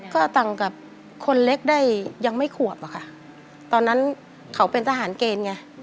ก็ต่างกับคนเล็กได้ยังไม่ขวบอะค่ะตอนนั้นเขาเป็นทหารเกณฑ์ไง